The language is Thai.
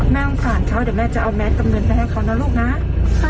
แม่อังสารเขาเดี๋ยวแม่จะเอาแม็กซ์กำเนินไปให้เขานะลูกนะค่ะ